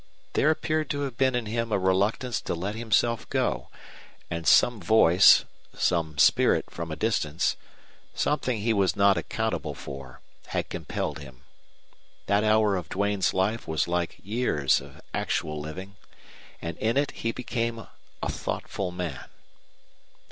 There appeared to have been in him a reluctance to let himself go, and some voice, some spirit from a distance, something he was not accountable for, had compelled him. That hour of Duane's life was like years of actual living, and in it he became a thoughtful man.